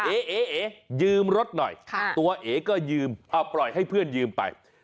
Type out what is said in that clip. เอ๋ยืมรถหน่อยตัวเอ๋ก็ยืมปล่อยให้เพื่อนยืมไป